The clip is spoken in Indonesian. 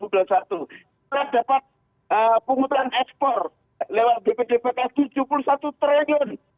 kita dapat penghutang ekspor lewat bpdpk rp tujuh puluh satu triliun